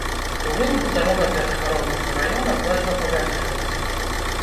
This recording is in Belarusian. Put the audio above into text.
У выніку дарога для жыхароў мікрараёна значна павялічылася.